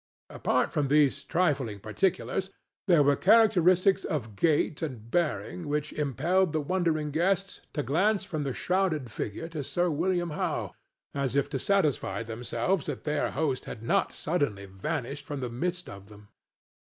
Apart from these trifling particulars there were characteristics of gait and bearing which impelled the wondering guests to glance from the shrouded figure to Sir William Howe, as if to satisfy themselves that their host had not suddenly vanished from the midst of them.